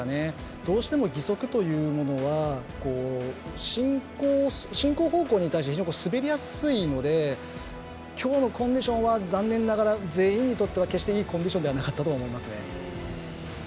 どうしても義足というものは進行方向に対して滑りやすいのできょうのコンディションは残念ながら全員にとって決していいコンディションではなかったと思います。